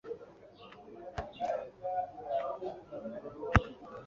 igihe ku nzira ya canvas.